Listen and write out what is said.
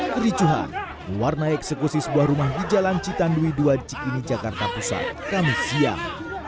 kericuhan warna eksekusi sebuah rumah di jalan citandui dua di cikini jakarta pusat kami siap